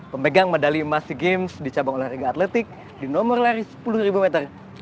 pemegang medali emas sea games dicabang oleh rega atletik di nomor lari sepuluh meter